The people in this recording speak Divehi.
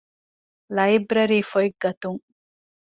ލައިބްރަރީފޮތް ގަތުން